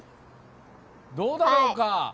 どうだろうか？